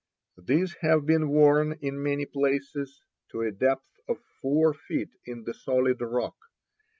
These have been worn in many places to a depth of four feet in the solid rock.